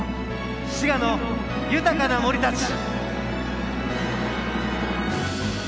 滋賀の豊かな森たち。